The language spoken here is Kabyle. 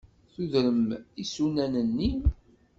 Tudrem isunan-nni.